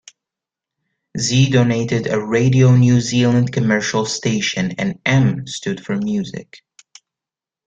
Z denoted a Radio New Zealand commercial station and M stood for Music.